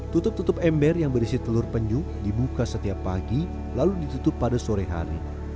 tutup tutup ember yang berisi telur penyu dibuka setiap pagi lalu ditutup pada sore hari